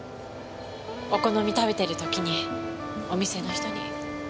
お好み食べてる時にお店の人に。